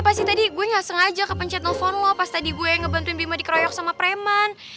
pasti tadi gue gak sengaja kepencet nelfon lo pas tadi gue yang ngebentur bima dikeroyok sama preman